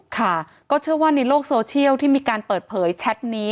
ค่ะก็เชื่อว่าในโลกโซเชียลที่มีการเปิดเผยแชทนี้